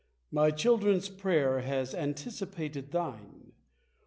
My children's prayer has anticipated thine.